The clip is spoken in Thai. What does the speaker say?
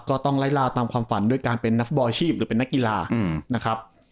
ก็ต้องไล่ลาตามความฝันด้วยการเป็นนักฟุตบอลอาชีพหรือเป็นนักกีฬานะครับ